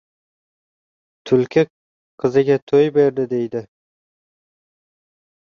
— Tulki qiziga to‘y berdi, — deydi.